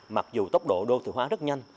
mặc dù tốc độ đô thự hóa rất nhanh